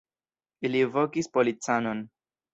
Ili vokis policanon.